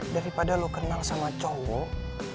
daripada lo kenal sama cowok